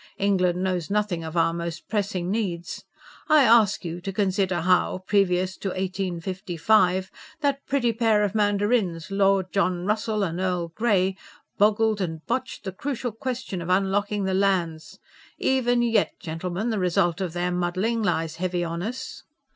England knows nothing of our most pressing needs. I ask you to consider how, previous to 1855, that pretty pair of mandarins, Lord John Russell and Earl Grey, boggled and botched the crucial question of unlocking the lands even yet, gentlemen, the result of their muddling lies heavy on us.